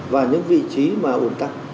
và những vị trí mà ổn tắc